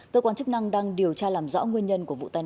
cơ quan chức năng đang điều tra làm rõ nguyên nhân của vụ tai nạn